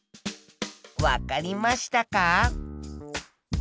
わかりましたか？